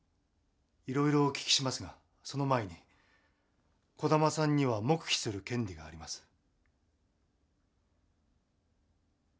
いろいろお聞きしますがその前に児玉さんには黙秘する権利があります。